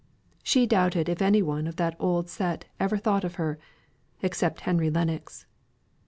She doubted if any one of that old set ever thought of her, except Henry Lennox.